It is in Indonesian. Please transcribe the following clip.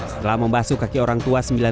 setelah membasuh kaki orang tua